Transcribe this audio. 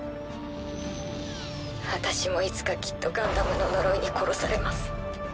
私もいつかきっとガンダムの呪いに殺されます。